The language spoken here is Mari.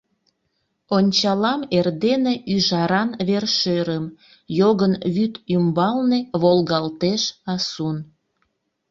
Ончалам эрдене ӱжаран вер-шӧрым: йогын вӱд ӱмбалне волгалтеш асун.